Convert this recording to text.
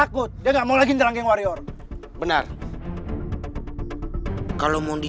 gue harus keluar dari sini